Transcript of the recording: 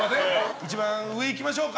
一番上、行きましょうか。